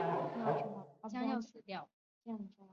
其中心思想是认为康德的人类学将要死掉。